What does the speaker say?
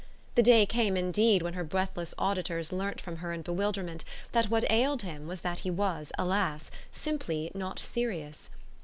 The day came indeed when her breathless auditors learnt from her in bewilderment that what ailed him was that he was, alas, simply not serious.